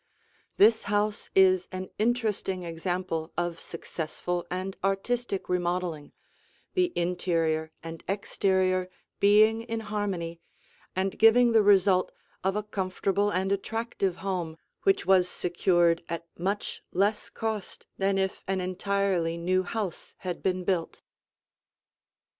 This house is an interesting example of successful and artistic remodeling, the interior and exterior being in harmony and giving the result of a comfortable and attractive home which was secured at much less cost than if an entirely new house had been built.